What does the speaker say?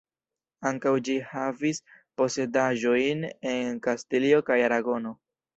Ankaŭ ĝi havis posedaĵojn en Kastilio kaj Aragono.